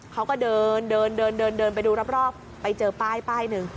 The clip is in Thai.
เขาก็เลิกเดินดูรอบไปเจอป้ายหนึ่ง